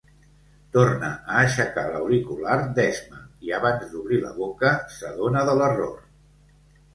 Torna a aixecar l'auricular d'esma i abans d'obrir la boca s'adona de l'error.